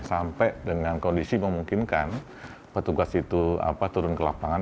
sampai dengan kondisi memungkinkan petugas itu turun ke lapangan